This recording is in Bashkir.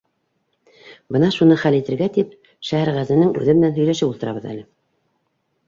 —Бына шуны хәл итергә тип Шәһәрғәзенең үҙе менән һөйләшеп ултырабыҙ әле.